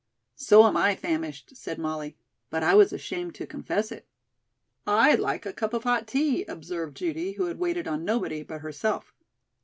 "So am I famished," said Molly; "but I was ashamed to confess it." "I'd like a cup of hot tea," observed Judy, who had waited on nobody but herself.